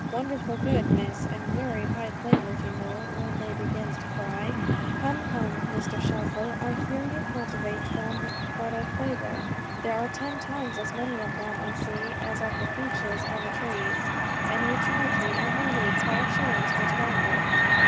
Wonderful good, Miss, and werry high flavoured you know, when they begins to fry." "Come, come, Mr. Shelfer, I fear you cultivate them for their flavour. There are ten times as many of them, I see, as of peaches on the trees. And you charge me every week five shillings for tobacco."